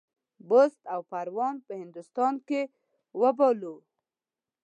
بُست او پروان په هندوستان کې وبولو.